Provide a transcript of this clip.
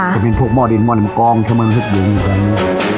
จะเป็นทุกหม้อดินหม้อหนังกองเฉพาะเมืองฮึกหยุ่งอยู่ตรงนี้